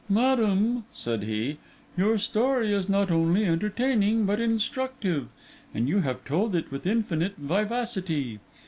'Madam,' said he, 'your story is not only entertaining but instructive; and you have told it with infinite vivacity.